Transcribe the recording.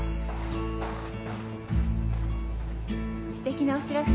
ステキなお知らせ？